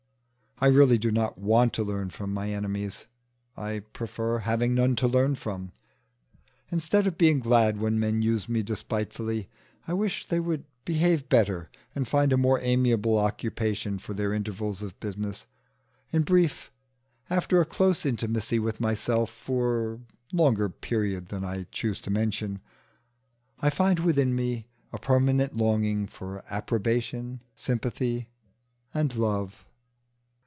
I really do not want to learn from my enemies: I prefer having none to learn from. Instead of being glad when men use me despitefully, I wish they would behave better and find a more amiable occupation for their intervals of business. In brief, after a close intimacy with myself for a longer period than I choose to mention, I find within me a permanent longing for approbation, sympathy, and love.